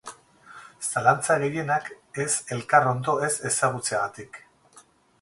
Zalantza gehienak ez elkar ondo ez ezagutzeagatik.